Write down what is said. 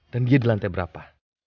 dan dia di lantai berapa